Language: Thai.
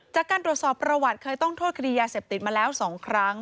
จากการตรวจสอบประวัติเคยต้องโทษคดียาเสพติดมาแล้ว๒ครั้ง